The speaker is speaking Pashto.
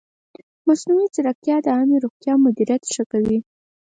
مصنوعي ځیرکتیا د عامې روغتیا مدیریت ښه کوي.